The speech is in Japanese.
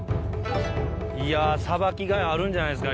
いやー、さばきがいあるんじゃないですか？